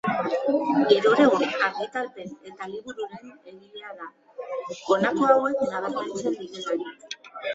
Hirurehun argitalpen eta libururen egilea da, honako hauek nabarmentzen direlarik.